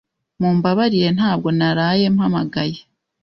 Mumbabarire ntabwo naraye mpamagaye.